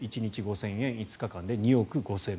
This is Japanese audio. １日５０００円５日間で２億５０００万円。